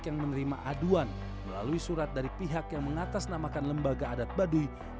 yang menerima aduan melalui surat dari pihak yang mengatasnamakan lembaga adat baduy